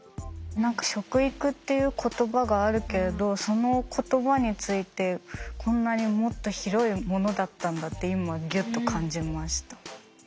何か食育っていう言葉があるけれどその言葉についてこんなにもっと広いものだったんだって今ギュッと感じました。